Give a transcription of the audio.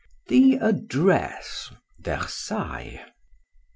THE ADDRESS. VERSAILLES.